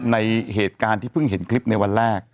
ในเหตุการณ์ที่เพิ่งเห็นคลิปในวันแรก